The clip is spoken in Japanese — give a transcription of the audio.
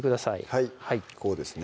はいこうですね